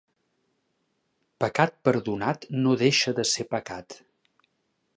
Pecat perdonat no deixa de ser pecat.